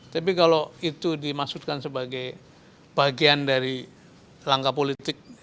tapi kalau itu dimaksudkan sebagai bagian dari langkah politik